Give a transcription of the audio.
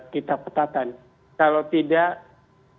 kita ketatan kalau tidak